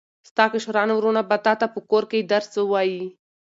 ستا کشران وروڼه به تاته په کور کې درس ووایي.